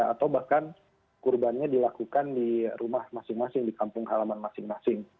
atau bahkan kurbannya dilakukan di rumah masing masing di kampung halaman masing masing